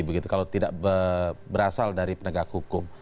begitu kalau tidak berasal dari penegak hukum